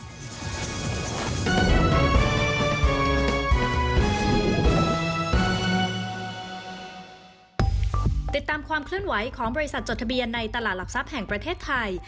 ติดตามความเคลื่อนไหวของบริษัทจดทะเบียนในตลาดหลักทรัพย์แห่งประเทศไทย